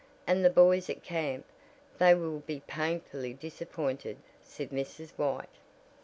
And the boys at camp they will be painfully disappointed," said Mrs. White.